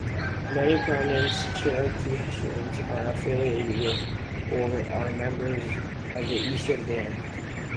Many prominent Cherokee historians are affiliated with, or are members of the Eastern Band.